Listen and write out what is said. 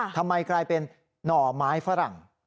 ทำไมกลายเป็นหน่อไม้ฝรั่ง